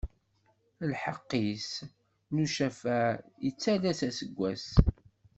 Lḥeqq-is n ucafaɛ ittalas aseggas.